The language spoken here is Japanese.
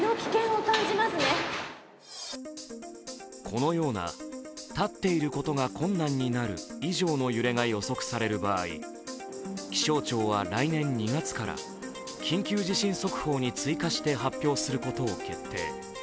このような、立っていることが困難になる以上の揺れが予測される場合、気象庁は来年２月から緊急地震速報に追加して発表することを決定。